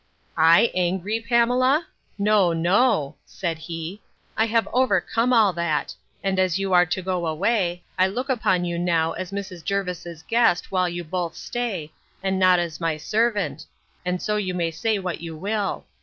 —I angry, Pamela? No, no, said he, I have overcome all that; and as you are to go away, I look upon you now as Mrs. Jervis's guest while you both stay, and not as my servant; and so you may say what you will.